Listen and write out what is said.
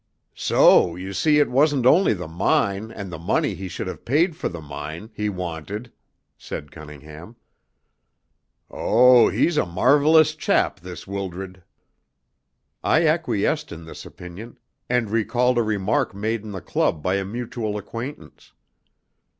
"So you see it wasn't only the mine, and the money he should have paid for the mine, he wanted," said Cunningham. "Oh, he's a marvellous chap, this Wildred!" I acquiesced in this opinion, and recalled a remark made in the club by a mutual acquaintance.